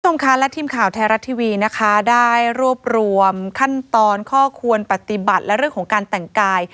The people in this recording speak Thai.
คุณผู้ชมค่ะและทีมข่าวไทยรัฐทีวีนะคะได้รวบรวมขั้นตอนข้อควรปฏิบัติและเรื่องของการแต่งกาย